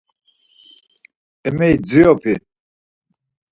Emeri dziropi?